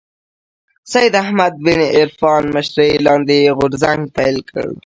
سید احمد بن عرفان مشرۍ لاندې غورځنګ پيل کړ